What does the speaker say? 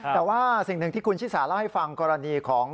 แต่ว่าสิ่งหนึ่งที่คุณชิสาเล่าให้ฟังกรณีของ